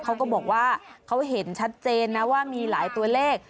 เขาก็บอกว่าเขาเห็นชัดเจนนะว่ามีหลายตัวเลข